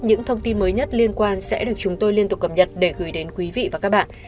những thông tin mới nhất liên quan sẽ được chúng tôi liên tục cập nhật để gửi đến quý vị và các bạn